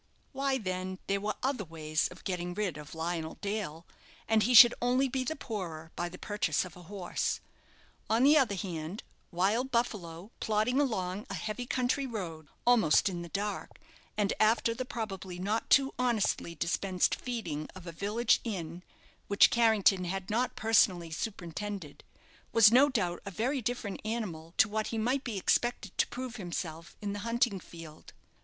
Why, then, there were other ways of getting rid of Lionel Dale, and he should only be the poorer by the purchase of a horse. On the other hand, "Wild Buffalo," plodding along a heavy country road, almost in the dark, and after the probably not too honestly dispensed feeding of a village inn, which Carrington had not personally superintended, was no doubt a very different animal to what he might be expected to prove himself in the hunting field.